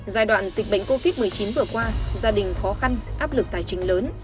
giai đoạn dịch bệnh covid một mươi chín vừa qua gia đình khó khăn áp lực tài chính lớn